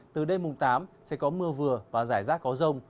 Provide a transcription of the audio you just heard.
từ đêm mùng tám sẽ có mưa vừa và rải rác có rông